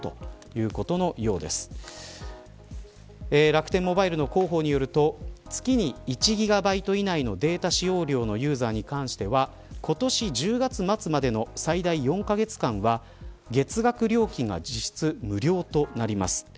楽天モバイルの広報によると月に１ギガバイト以内のデータ使用量のユーザーに関しては今年１０月末までの最大４カ月間は月額料金が実質無料となります。